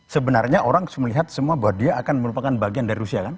sebenarnya orang harus melihat semua bahwa dia akan merupakan bagian dari rusia kan